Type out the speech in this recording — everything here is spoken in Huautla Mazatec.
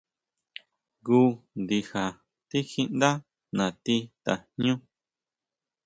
Jngu ndija tikjíʼndá natí tajñú.